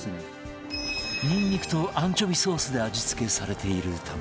ニンニクとアンチョビソースで味付けされているため